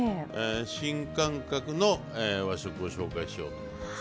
新感覚の和食を紹介しようと思います。